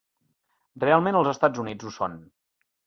Realment els Estats Units ho són.